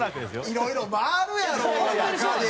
いろいろ回るやろ中で。